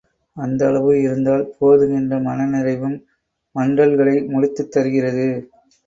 அந்த அளவு இருந்தால் போதும் என்ற மனநிறைவும் மன்றல்களை முடித்துத் தருகிறது.